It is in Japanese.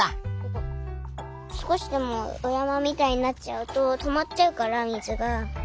すこしでもおやまみたいになっちゃうととまっちゃうから水が。